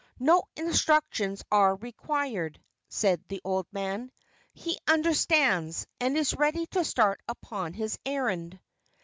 "No instructions are required," said the old man; "he understands, and is ready to start upon his errand."